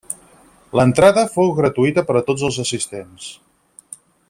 L'entrada fou gratuïta per a tots els assistents.